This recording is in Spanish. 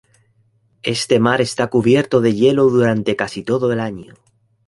Este mar está cubierto de hielo durante casi todo el año.